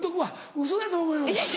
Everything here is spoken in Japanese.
ウソだと思います。